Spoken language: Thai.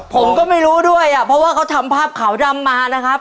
ผมก็ไม่รู้ด้วยอ่ะเพราะว่าเขาทำภาพขาวดำมานะครับ